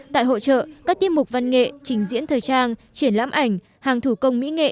tại hội trợ các tiết mục văn nghệ trình diễn thời trang triển lãm ảnh hàng thủ công mỹ nghệ